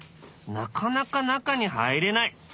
なかなか中に入れない。